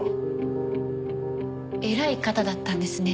偉い方だったんですね。